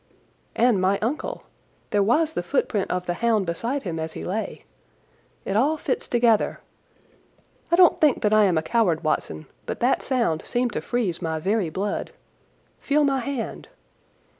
And my uncle! There was the footprint of the hound beside him as he lay. It all fits together. I don't think that I am a coward, Watson, but that sound seemed to freeze my very blood. Feel my hand!"